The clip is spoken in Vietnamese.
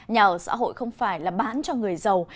nhà ở xã hội không phải là bán cho người giàu